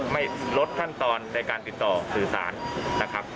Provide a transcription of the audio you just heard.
ไม่ลดขั้นตอนในการติดต่อสื่อสารนะครับ